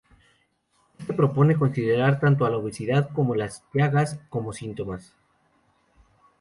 Éste propone considerar, tanto a la obesidad como las llagas, como síntomas.